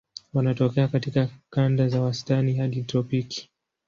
Wanatokea katika kanda za wastani hadi tropiki.